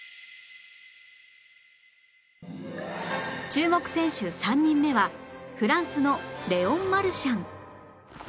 注目選手３人目はフランスのレオン・マルシャン